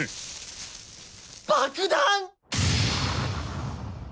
爆弾！？